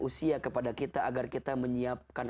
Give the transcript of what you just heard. usia kepada kita agar kita menyiapkan